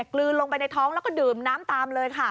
กลืนลงไปในท้องแล้วก็ดื่มน้ำตามเลยค่ะ